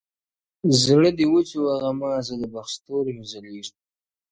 • زړه دي وچوه غمازه د بخت ستوری مي ځلیږي -